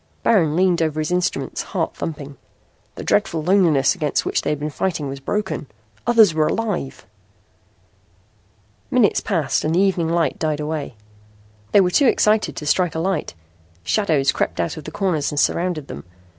Baron leaned over his instruments, heart thumping. The dreadful loneliness against which he had been fighting was broken. Others were alive! Minutes passed and the evening light died away. They were too excited to strike a light. Shadows crept out of the corners and surrounded them.